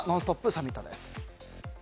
サミットです。